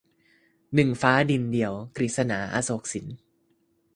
หนึ่งฟ้าดินเดียว - กฤษณา อโศกสิน